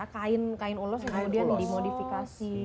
kain kain ulos kemudian dimodifikasi